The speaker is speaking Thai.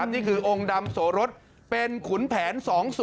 นี่คือองค์ดำโสรสเป็นขุนแผน๒๐